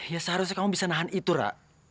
ya seharusnya kamu bisa nahan itu rak